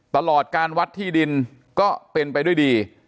ตลอดการวัดที่ดินก็เป็นไปด้วยดี